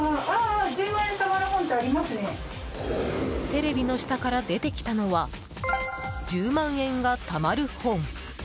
テレビの下から出てきたのは「１０万円が貯まる本」。